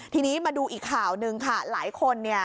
ทีนี้มาดูอีกข่าวหนึ่งค่ะหลายคนเนี่ย